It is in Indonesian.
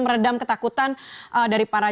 meredam ketakutan dari para